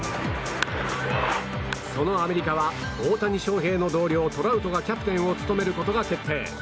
そのアメリカは大谷翔平の同僚トラウトがキャプテンを務めることが決定。